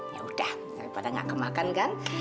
yaudah daripada nggak kemakan kan